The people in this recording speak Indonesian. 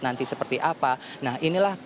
nanti seperti apa nah inilah